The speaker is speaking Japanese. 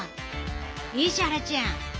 石原ちゃん！